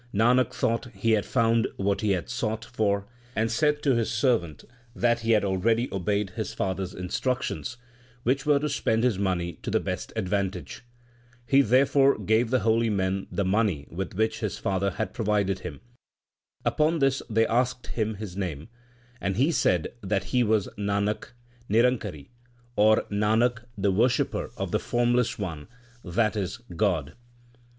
Nanak thought he had found what he had sought for, and said to his servant that he had already obeyed his father s instructions, which were to spend his money to the best advantage. He therefore gave the holy men the money with which his father had provided him. Upon this they asked him his name, and he said that he was Nanak Nirankari, or Nanak the worshipper of the Formless One, that is, God.